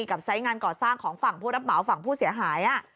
ไซส์งานก่อสร้างของฝั่งผู้รับเหมาฝั่งผู้เสียหาย